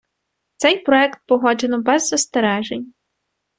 Цей проект погоджено без застережень.